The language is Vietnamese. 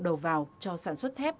đầu vào cho sản xuất thép